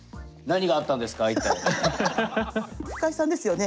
深井さんですよね。